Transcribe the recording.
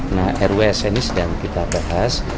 nah rws ini sedang kita bahas